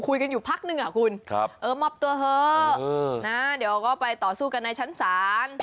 คุยกันอยู่พักนึงอ่ะคุณเออมอบตัวเถอะเดี๋ยวก็ไปต่อสู้กันในชั้นศาล